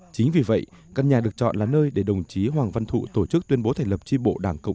chính vì vậy căn nhà được chọn là nơi để đồng chí hoàng văn thụ tổ chức tuyên bố thành lập tri bộ đảng cộng sản